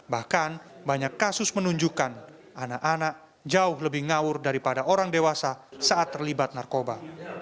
bahkan banyak kasus menunjukkan anak anak jauh lebih ngawur daripada orang dewasa saat terlibat narkoba